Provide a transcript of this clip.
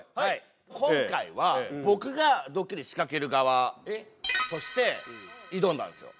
今回は僕がドッキリ仕掛ける側として挑んだんですよ。